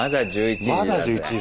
まだ１１時。